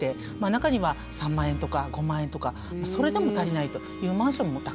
中には３万円とか５万円とかそれでも足りないというマンションもたくさんあります。